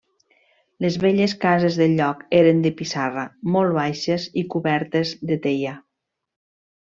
Les velles cases del lloc eren de pissarra, molt baixes i cobertes de teia.